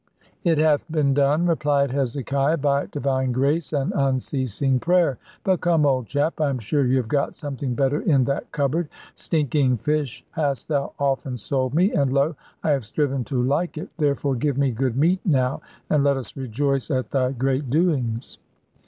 "It hath been done," replied Hezekiah, "by Divine grace and unceasing prayer. But come, old chap, I am sure you have got something better in that cupboard. Stinking fish hast thou often sold me, and lo I have striven to like it! therefore give me good meat now, and let us rejoice at thy great doings."